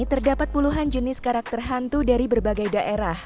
terdapat puluhan jenis karakter hantu dari berbagai daerah